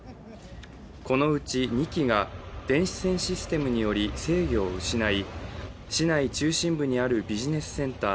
このうち２機が、電子戦システムにより制御を失い、市内中心部にあるビジネスセンター